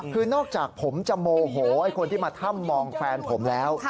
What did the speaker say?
คือนอกจากผมจะโมโหไอ้คนที่มาถ้ำมองแฟนผมแล้ว